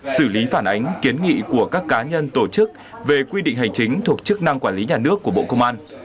xử lý phản ánh kiến nghị của các cá nhân tổ chức về quy định hành chính thuộc chức năng quản lý nhà nước của bộ công an